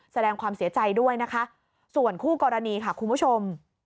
แสดงความเสียใจด้วยนะคะส่วนคู่กรณีค่ะคุณผู้ชม